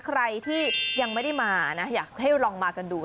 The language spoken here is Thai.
ใครที่ยังไม่ได้มานะอยากให้ลองมากันดู